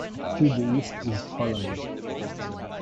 To the east is Poland.